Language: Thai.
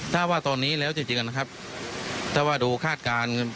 ถ้าว่าตอนนี้แล้วจริงนะครับถ้าว่าดูคาดการณ์